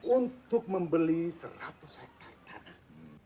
untuk membeli seratus hektare tanah